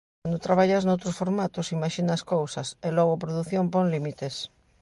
Cando traballas noutros formatos imaxinas cousas e logo a produción pon límites.